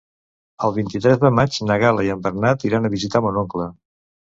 El vint-i-tres de maig na Gal·la i en Bernat iran a visitar mon oncle.